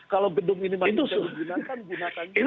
kalau gedung ini masih bisa digunakan gunakan itu